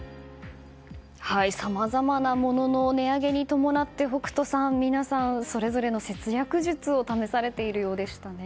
さまざまなものの値上げに伴って北斗さん、皆さんそれぞれの節約術を試されているようでしたね。